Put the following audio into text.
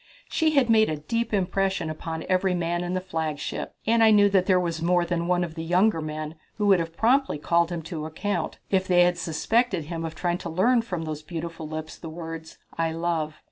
She had made a deep impression upon every man in the flagship, and I knew that there was more than one of the younger men who would have promptly called him to account if they had suspected him of trying to learn from those beautiful lips the words, "I love."